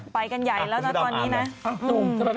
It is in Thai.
ไปกันใหญ่แล้วนะตอนนี้นะ